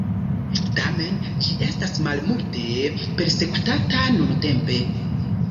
Tamen ĝi estas malmulte persekutata nuntempe.